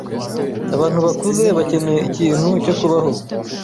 Abantu bakuze bakeneye ikintu cyo kubaho.